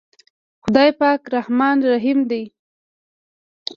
خداے پاک رحمان رحيم دے۔